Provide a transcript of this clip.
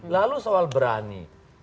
lalu soal berani